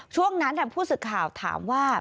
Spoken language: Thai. ช่วงนั้นผู้สื่อข่าวถามว่า